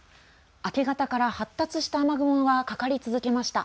明け方から発達した雨雲がかかり続けました。